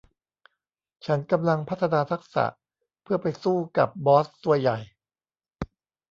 ฉันกำลังพัฒนาทักษะเพื่อไปสู้กับบอสตัวใหญ่